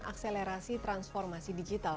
akselerasi transformasi digital